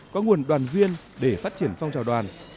có nguồn đoàn viên để phát triển phong trào đoàn